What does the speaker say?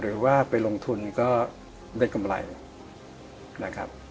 หรือว่าไปลงทุนก็ได้กำไรนะครับ